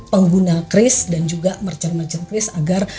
pengguna kris dan juga mercer mercer kris agar